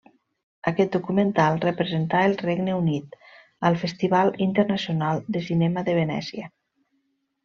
Aquest documental representà el Regne Unit al Festival Internacional de Cinema de Venècia.